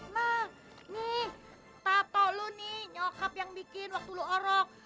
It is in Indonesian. nah nih tapak lu nih nyokap yang bikin waktu lu orok